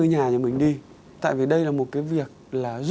ông ấy nói cái gì